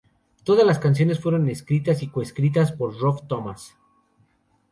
Todas las canciones fueron escritas y co-escritas por Rob Thomas.